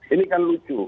ini kan lucu